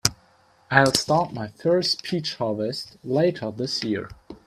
I'll start my first peach harvest later this year.